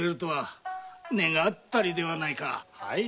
願ったりではないか。